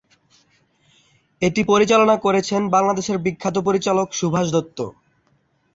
এটি পরিচালনা করেছেন বাংলাদেশের বিখ্যাত পরিচালক সুভাষ দত্ত।